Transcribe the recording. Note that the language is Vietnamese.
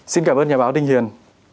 xin cảm ơn nhà báo đinh hiền